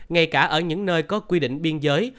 ngay cả ở những nơi có quy định biên giới